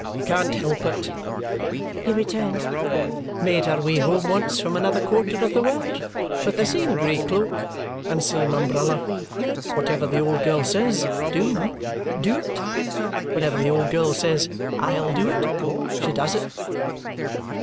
"Can't help it," he returned. "Made her way home once from another quarter of the world. With the same grey cloak. And same umbrella. Whatever the old girl says, do. Do it! Whenever the old girl says, I'LL do it. She does it."